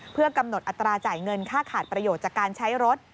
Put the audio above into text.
เพื่อกำหนดอัตราจ่ายเงินค่าขาดประโยชน์จากการใช้รถ